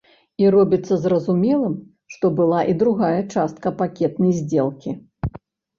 І робіцца зразумелым, што была і другая частка пакетнай здзелкі.